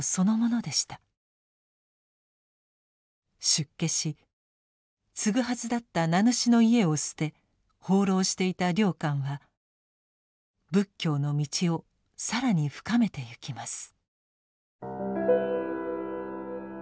出家し継ぐはずだった名主の家を捨て放浪していた良寛は仏教の道を更に深めてゆきます。